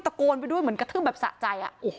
ตะโกนไปด้วยเหมือนกระทืบแบบสะใจ